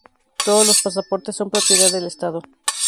Todos los pasaportes son propiedad del Estado.